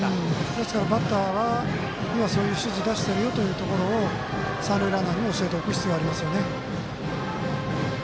ですからバッターはそういう指示出してるよというところを三塁ランナーにも教えておく必要ありますよね。